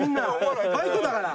バイトだから。